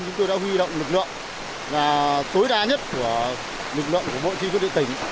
chúng tôi đã huy động lực lượng là tối đa nhất của lực lượng của bộ truy quân địa tỉnh